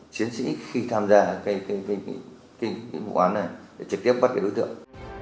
chiến sĩ khi tham gia cái cái cái cái cái bộ án này trực tiếp bắt cái đối tượng